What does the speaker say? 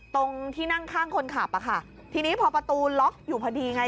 ตรงที่นั่งข้างคนขับอ่ะค่ะทีนี้พอประตูล็อกอยู่พอดีไง